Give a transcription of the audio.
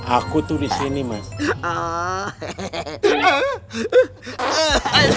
aku tuh di sini mas